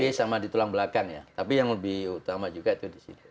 ini sama di tulang belakang ya tapi yang lebih utama juga itu di sini